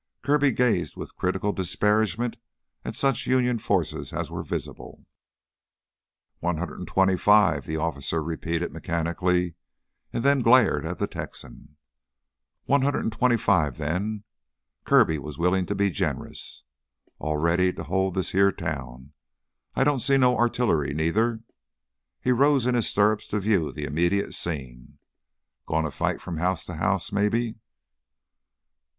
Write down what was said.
Kirby gazed with critical disparagement at such Union forces as were visible. "One hundred and twenty five," the officer repeated mechanically and then glared at the Texan. "One hundred and twenty five then." Kirby was willing to be generous. "All ready to hold this heah town. I don't see no artillery neither." He rose in his stirrups to view the immediate scene. "Goin' to fight from house to house maybe